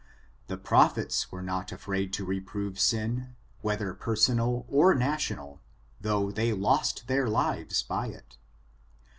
The prophets were not afraid to reprove sin, whether personal or national, though they lost their lives by it.